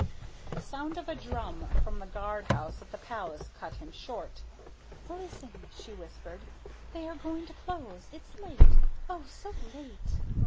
The sound of a drum from the guard house at the palace cut him short. "Listen," she whispered, "they are going to close. It's late, oh, so late!"